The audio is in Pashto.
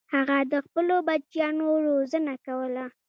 هغه د خپلو بچیانو روزنه کوله.